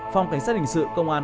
phòng cảnh sát hình sự công an